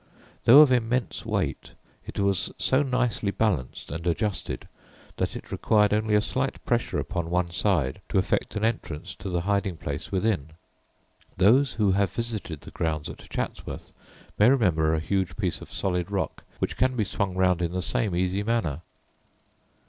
Though of immense weight, it was so nicely balanced and adjusted that it required only a slight pressure upon one side to effect an entrance to the hiding place within. Those who have visited the grounds at Chatsworth may remember a huge piece of solid rock which can be swung round in the same easy manner.